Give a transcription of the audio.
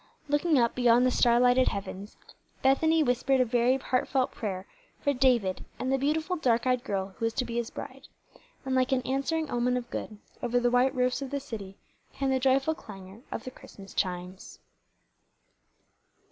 Looking up beyond the starlighted heavens, Bethany whispered a very heartfelt prayer for David and the beautiful, dark eyed girl who was to be his bride; and like an answering omen of good, over the white roofs of the city came the joyful clangor of the Christmas chimes.